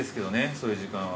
そういう時間は。